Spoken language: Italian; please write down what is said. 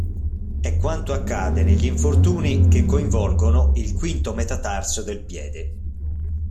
È quanto accade negli infortuni che coinvolgono il quinto metatarso del piede.